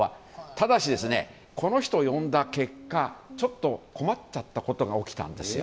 ただし、この人を呼んだ結果ちょっと困っちゃったことが起きたんですよ。